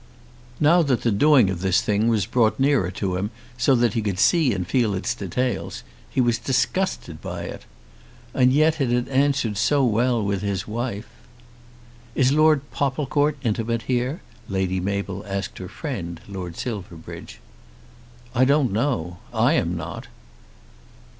Now that the doing of this thing was brought nearer to him so that he could see and feel its details, he was disgusted by it. And yet it had answered so well with his wife! "Is Lord Popplecourt intimate here?" Lady Mabel asked her friend, Lord Silverbridge. "I don't know. I am not."